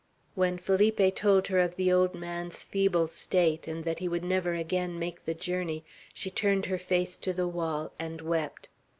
When Felipe told her of the old man's feeble state, and that he would never again make the journey, she turned her face to the wall and wept.